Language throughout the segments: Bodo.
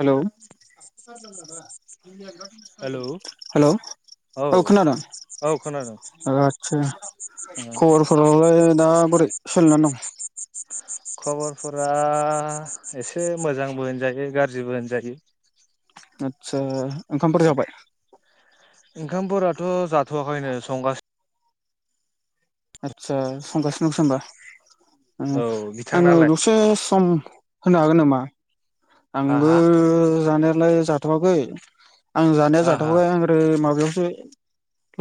हेल' हेलौ औ हेल' औ खोनादोंं। औ खोनादों ओ आतसा ओ खबरफोरालाय दा बोरै? सोलिना दं खबरफोरा एसे मोजांबो होनजायो गाज्रिबो होनजायो। आतसा ओंखामफोर जाबाय? ओंखामफोराथ' जाथ'वाखैनो संगासिनो आदसा संगासिनो दंसै होनोमबा औ आंनो बिथांनालाय दसे सम होनो हागोन नामा हा आंबो हा जानायालाय जाथ'वाखै आं जानाया हा हा जाथावबायै आं माबायाव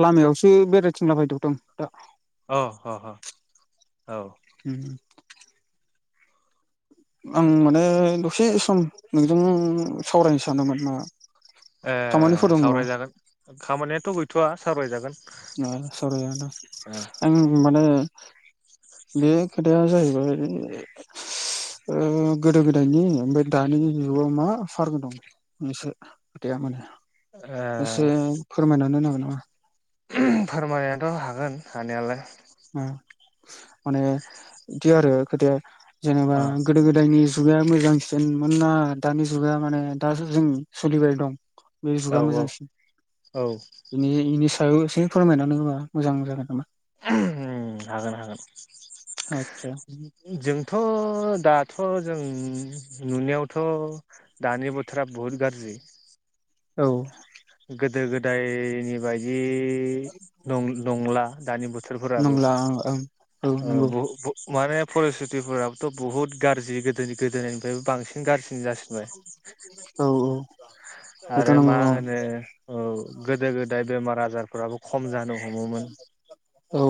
लामायावसो बेरायथिंला बायथदों दा अ अ औ उम आं माने दसे सम नोंजों सावरायनो सानोमोन नामा ओ सावरायजागोन खामानियाथ' गैथ'वआ सावरायजागोन सावरायनो ओ गोनां आं माने बे खोथायानो जाहैब गोदो गोदायनि ओमफ्राय दानि जुगाव मा फार्क दं एसो गोया माने एसे ओ फोरमायनानै होनांगोन नामा फोरमायनायाथ' हागोन हानायालाय नामा ओ माने बिदि आरो खोथाया जेनेबा अ गोदो गोदायनि जुगाया मोजां मोना दानि जुगा माने दो जों सोलिबाय दं बे जुगा औ मोजांसिन औ बिनि बेनि सायाव एसे फोरमायनानै होबा मोजां जागोन नामा हागोन हागोन आदसा जोंथ' दाथ' जों नुनायावथ' दानि बोथोरा बुहुद गाज्रि औ गोदो गोदायनि बायदि बेनंला दानि बोथोरफोराबो नंला ओं औ नंगौ बहु माने फरिस्तिफोराबोथ' बहुत गाज्रि गोदोनि गोदोनिफ्रायबो बांसिन गाज्रि जासिनबाय औ औ बेथ' आरो मा नंगौ औ होनो औ गोदो गोदाय बेमार आजारफोराबो खम जानो हमोमोन औ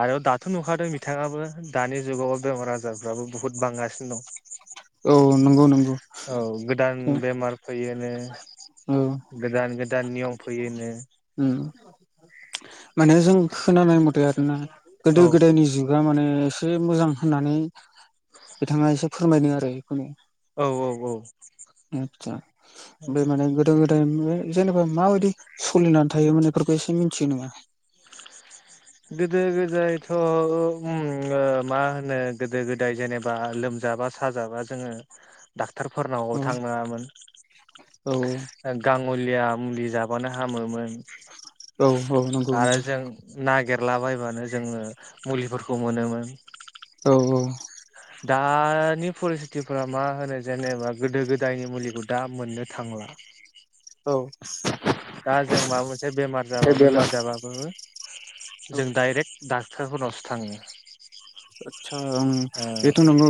आरो दाथ' नुखादों बिथाङाबो दानि जुगाव बेमार आजारफ्राबो बुहुद बांगासिनो दं औ नंगौ नंगौ औ गोदान बेमार फैयोनो औ गोदान गोदान नियम फैयोनो उम माने जों खोनानाय मथे आरोना गोदो औ गोदायनि जुगा माने एसे मोजां होननानै बिथाङा एसे फोरमायदों आरो औ आसा बे गोदो माने गोदो गोदाय जेनेबा माबायदि सोलिनानै थायोमोन बेफोरखौ एसे मिथियो नोमा गोदो गोदायथ' मा होनो गोदो गोदाय जेनेबा लोमजाबा साजाबा दाक्टारफोरनाव औ थांनांङामोन औ गां मुलिया मुलि जाबानो हामोमोन औ औ नंगौ आरो नंगौ जों नागिरलाबायबानो जोङो मुलिफोरखौ मोनोमोन औ दानि फरिस्थितफोरा मा होनो जेनेबा गोदो गोदायनि मुलिखौ दा मोननो थांला [unintelligible] [inaudible] औ दा जों माबा मोनसे बेमार जाबाबो लोमजाबाबो औ जों डाक्टर डाक्टरफोरावसो थाङो आतसा उ ओ बेथ' नंगौ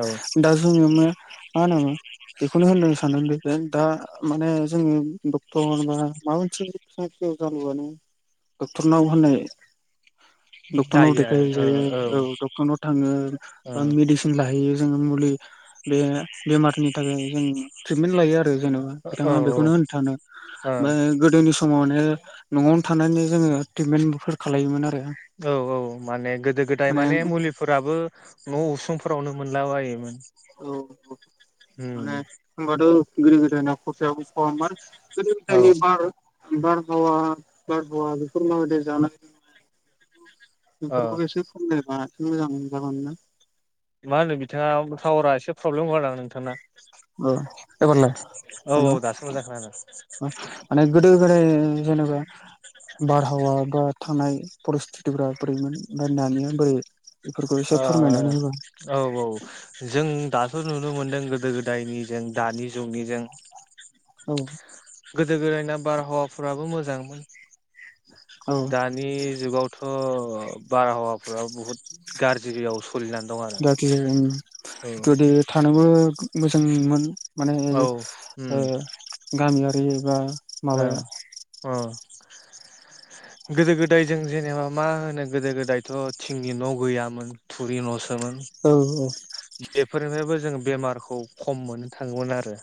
औ दा जोंओ मे माहोनोमोन बेखौनो होनदों सानोमोन बे दा माने जोङो डक्टर बा माबा मोनसे एसे जालुबानो डक्टर नाव होननाय डक्टरनाव जायो देखायहै आरो जायो ओ जायो औ डक्टरनाव थाङो औ बा मेडिसिन लाहैयो जों मुलि बे बेमारनि थाखाय जों ट्रिटमेन्ट लायो आरो जेनेबा औ बिथाङा बेखौनो होन थानो औ गोदोनि समावनो न'आवनो थानानैनो जोङो ट्रिटमेन्टफोर खालायोमोन आरो औ औ माने गोदो गोदाय माने मुलिफोराबो न' उसुंफोरावनो मोनो लाबायो। औ माने होनबाथ' गोदो गोदायना खरसायाबो खम मोन औ गो बार [unintelligible] बार हावा बार हावा बेफोरखौ माबायदि जानानै ओ बेफोरखौ एसे फोरमाय बा एसे मोजां जागौमोन ना? मा होनो बिथाङा टावारा एसे प्रब्लेम होआ ना नोंथांना। औ एबारलाय औ हेल' औ दासो मोजां खोनादों। गोगो जेनबा बारहावा बा थांनाय परिस्थितफोरा बोरैमोन ओमफ्राय दानिया बोरै बेफोरखौ एसे औ फोरमायनानै होबा औ जों दाथ' नुनो मोनदों गोदो गोदायनि जों दानि जुगनि जों औ गोदो गोदायना बारहावाफोराबो मोजांमोन औ दानि जुगावथ' बारहावाफोरा बुहुद गाज्रियाव सोलिनानै दं आरो गोदो थानांगौ मोजांमोन माने औ उम गामियारि एबा माबायाव अ [inaudible] गोदो गोदाय जों जेनेबा मा होनो गोदो गोदायथ' थिंनि न' गैयामोन थुरि न' सोमोन औ बेफोरनिफ्रायबो जों बेमारखौ खम मोननो थाङोमोन आरो।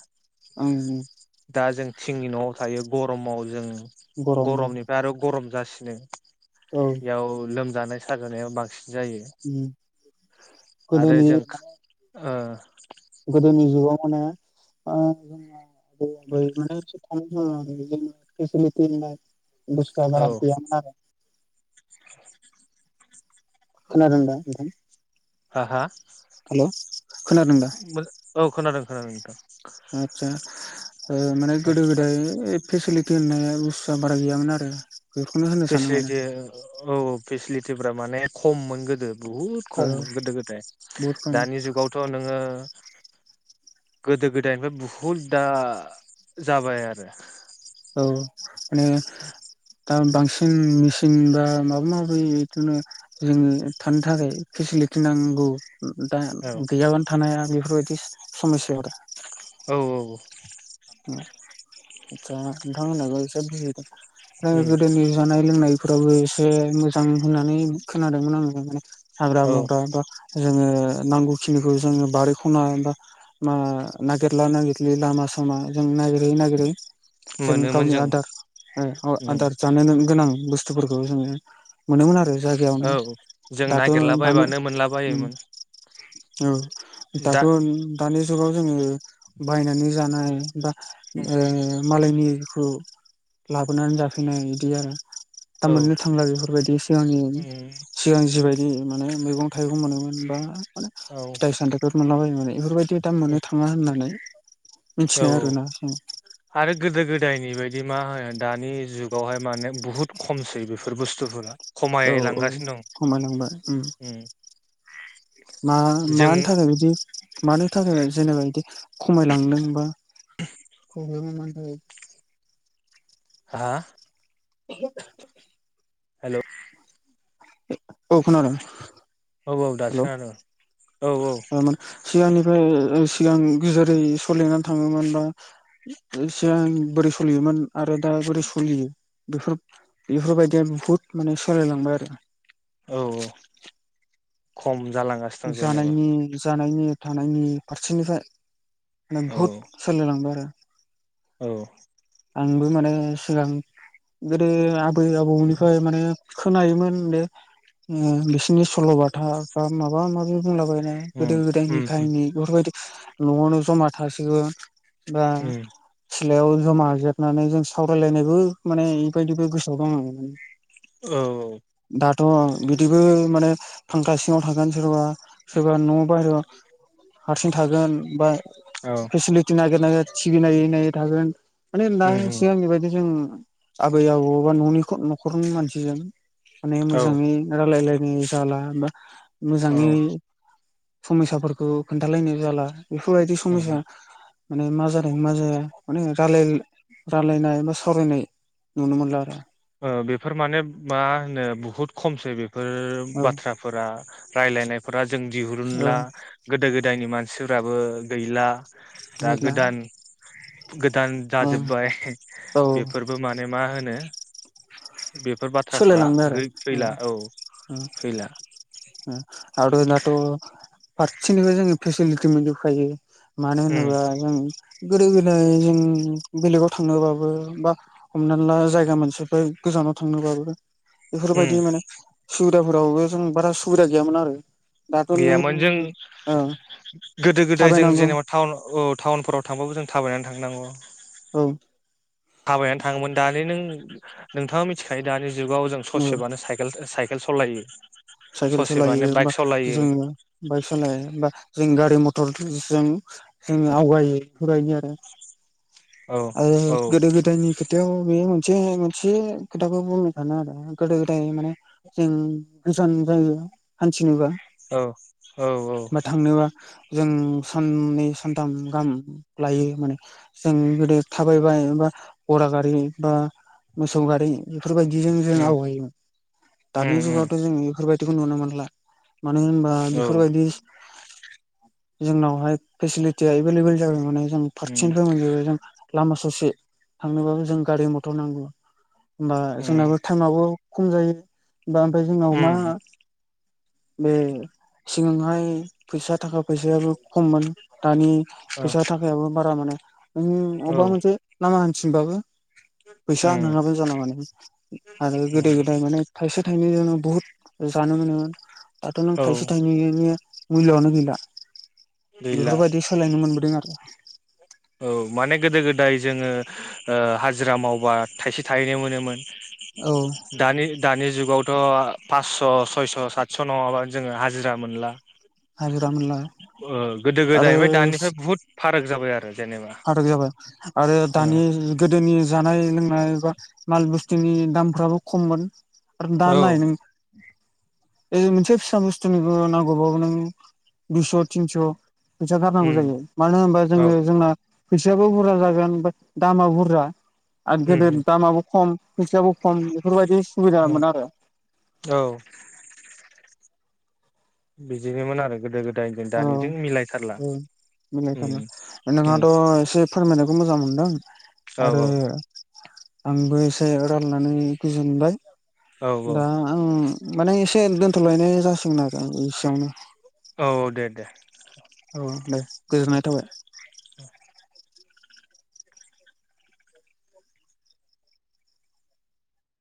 ओं दा जों थिंनि न'आव थायो गरमाव जों गरम गरमनिफ्राय आरो गरम जासिनो औ बेयाव लोमजानाय साजानाया बांसिन जायो आरो गोदोनि जों ओ मानो? [unintelligible] गुसुआ बारा औ गैयामोन आरो। खोनादों दा नोंथां? हा हा? हेल' खोनादों औ खोनादोंं खोनादों नोंथां। आतसा माने गोदो गोदाय फेसिलिटि होननाय बुस्थुआ बारा गैयामोन आरो बेखौनो होनो सानो माने फेसिलिटि औ फेसिलिटिफ्रा माने खममोन गोदो बुहुद औ खममोन गोदो गोदाय बहुद खम दानि जुगावथ' नोङो गोदो गोदायनिफ्राय बहुद दा जाबाय आरो औ दा बां सिन मेसिन बा माबा माबि बिदिनो जोङो थानो थाखाय फेसिलिटि नांगौ। दा गैयाबानो थानाया बेफोरबायदि समयसायाव औ औ आसा नोंथांमोनाबो एसे बुजिदों उम गोदोनि जानाय लोंनाय फोरावबो एसे मोजां होननानै खोनादोंमोन आं हाग्रा औ बंग्रा बा जोङो नांगौखिनिखौ जोङो बारि खना बा मा नागिरला नागिरलि लामा सामा जों नागिरै नागिरै जों गावनि आदार उम आदार जानो गोनां बुस्थुफोरखौ जोङो मोनोमोन आरो जायगायावनो औ जों दाथ दानि नागिरलाबायबानो ओम मोनलाबायोमोन औ दा दाथ' दानि जुगाव जोङो बायनानै जानोबा ए मालायनिखौ लाबोनानै जाफैनाय बिदि आरो दा औ मोननो थांला बेफोरबायदि सिगांनि उम सिगांनि जिबायदि मोनो मैगं थाइगं मोनोमोन बा माने औ फिथाइ सामथाइफोर मोनला बायो माने बेफोरबायदि दा मोननो थाङा होननानै औ मिथिनाय आरो औ ना आरो गोदो गोदायनि बायदि मा होनो दानि जुगावहाय माने बुहुत खमसै बेफोर बुस्थुफोरा औ औ खमायलांगासिनो खमायलांबाय दं उम मा जों मानो थाखाय बिदि मानो थाखाय जेनेबा बिदि खमायलांदोंबा जे बे मानि थाखाय? हा। [unintelligible] हेलौ औ खोनादों। औ औ दासो खोनादों। औ थारमाने सिगांनिफ्राय जों सिगां गोजोरै सलिना थाङोमोन बा सिगां बोरै सलियोमोन आरो दा बोरै सोलियो बेफोर बेफोरबायदिया बुहुत माने सालायलांबाय आरो औ औ खम। जालांगासिनो दं जेनेबा जानायनि जानायनि थानायनि फारसेनिफ्राय माने औ बहुद सोलिलांबाय आरो। औ। आंबो माने सिगां गोदो आबै आबौनिफ्राय माने खोनायोमोन बे ओ बिसोरनि सल'बाथा बा माबा माबि बुंलाबाय ओ उम गोदो गोदायनि उम उम खाहिनि बेफोरबायदि न'आवनो जमा थसिगोन बा उम सिलायाव जमा लिरनानै जों सावरायलायनायबो माने बेबायदिबो गोसोआव दं आं। औ। थ' बिदिबो माने फांखा सिङाव थागोन सोरबा सोरबा न'बाहेरायाव हारसिं थागोन बा औ फेसिलिटि नागिर नागिर टिभि नायै नायै थागोन माने नाय उम उम सिगांनिबायदि जों आबै आबौ बा न'नि ख' न'खरनि मानसिजों माने औ मोजाङै रायलायलाय ऐ जाला बा औ मोजाङै समयसाफोरखौ खोन्थालायनाय जाला। बेफोरबायदि समयसा उम माने मा जादों मा जाया मानेे रायलायनाय बा सावरायनाय नुनो मोनला आरो। ओ बेफोर माने मा होनो बुहुद खमसै बे बेफोर औ बाथ्राफोरा रायलायनायफोरा जों औ दिहुरुनला गोदो गोदाय गोदायनि मानसिफोराबो गैला दा गैला गोदान गोदान औ जाजोब्बाय औ बेफोरबो माने मा होनो बेफोर बाथ्राफोरा सोलायलांबाय आरो औ ओ गै-फैला औ फैला ओ। आरो नाथ' फारसेनिफाय जोङो फेसिलिटि मोनजोबखायो। मान उम होनोबा जों गोदो गोदाय जों बेलेगाव थांनोबाबो बा हमना ला जायगा मोनसिफाय गोजानाव थां थांनोबाबो उम बेफोरबायदि माने सुबिदाफोरावबो जों बारा सुबिदा गैयामोन आरो। दाथ' गैयामोन जों नों ओ गोदो गोदाय जों थाबायनांगौ जेनेबा टाउन औ टाउनफोराव थांबाबो जों थाबायनानै थांनांगौ। औ। थाबायनानै थाङोमोन दानि नों नोंथाङा मिथिखायो दानि जुगाव जों औ ससेबानो साइकेल साइ केल सलायो। साइकेल सलायो बा जोङो बाइक सालाया ओमबा? जों गारि मथर जों जों आवगायो फरायो आरो औ आरो औ गोदो गोदायनि खोथायाव बे न जे मोनसे खोथाखौ बुंनो सानो आरो गोदो गोदाय माने जों गोजान जायो हान्थिनोबा औ औ बा थांनोबा औ जों साननै सानथाम गाहाम लायो माने जों गोदो थाबायबायो गरा गारि बा मोसौ गारि बेफोरबायदिजों जों उम आवगायोमोन दानि उम उम जुगावथ' जों बेफोरबायदिखौ नुनो मोनला मानो होनबा औ बेफोरबायदि जोंनावहाय फेसिलिटिया एभेलेबल जाबाय माने जों उम फारसेनिफ्राय मोनजोबाय जों लामा ससे थांनोबाबो जों गारि मथर नांगौ होमबा उम जोंनाबो टाइमावबो खम जायो बा ओमफ्राय जोंनाव मा उम बे सिगांहाय फैसा थाखा फैसायाबो खममोन दानि ओ फैसा थाखायाबो बारा माने नों औ अबा मोनसे लामा हान्थिनो बाबो फैसा उम नङाबो जाना माने आरो उम गोदो गोदाय माने थाइसे थाइ थानैजोंनो बुहुत जानो मोनोमोन दाथ' नों औ थाइसे थाइनै मुल्यआनो गैला गैला बेफोरबायदि सोलायनो मोनबोदों आरो औ माने गोदो गोदाय जोङो ओ हाजिरा मावबा थाइसे थायनै मोनोमोन औ दानि दानि जुग जुगावथ' पासस' सयस' सातस' नङाबानो जोङो हाजिरा मोनला हाजिरा मोनला गोदो गोदायफ्राय दानिफ्राय बुहुत फाराग जाबाय आरो जेनेबा हाद जाबाय आरो ओ दानि गोदोनि जानाय लोंनाया माल बुस्तुनि दामफ्राबो खममोन दा नाय औ नों ओरै मोनसे फिसा बुस्थुनिबो नांगौबावो नों दुइस' थिनस' फैसा गारनांगौ उम जायो मानो होनोबा औ जोङो जोंना फैसायाबो बुरजा जागोन ब दामाबो बुरजा आरो उम गोदो उम दामाबो खम फैसायाबो खम बेफोरबायदि उम सुबिदामोन आरो औ बिदिनोमोन आरो गोदो गोदाय औ औ उम मिलायथारना ओमफाय उम नोंहाथ' एसे फोरमाय बेखौ मोजां मोनदों औ आरो औ आंबो एसे रायलायनानै गोजोनबाय औ औ दा आं माने एसे दोनथ'लायनाय जासिगोन आरो इसेयावनो औ दे दे औ दे गोजोननाय थाबाय